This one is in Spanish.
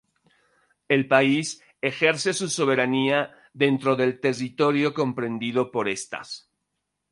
El país ejerce su soberanía dentro del territorio comprendido por estas.